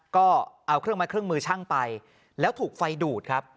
ก็เอาเครื่องมือช่างไปแล้วถูกไฟดุดครับ